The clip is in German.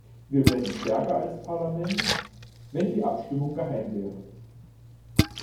Wir wären stärker als Parlament, wenn die Abstimmung geheim wäre.